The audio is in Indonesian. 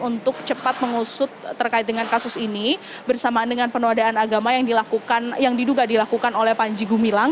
untuk cepat mengusut terkait dengan kasus ini bersamaan dengan penodaan agama yang diduga dilakukan oleh panji gumilang